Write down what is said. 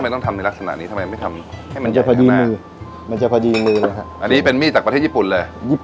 โดยเฉพาะ